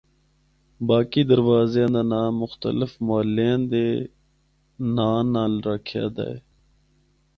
باقی دروازیاں دا ناں مختلف محلیاں دے ناں نال رکھیا دا ہے۔